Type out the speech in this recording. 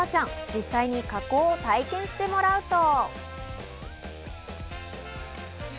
実際に加工体験してもらうと。